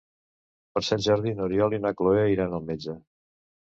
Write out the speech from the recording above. Per Sant Jordi n'Oriol i na Cloè iran al metge.